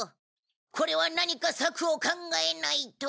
これは何か策を考えないと。